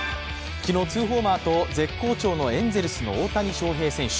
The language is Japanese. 昨日、ツーホーマーと絶好調のエンゼルスの大谷翔平選手。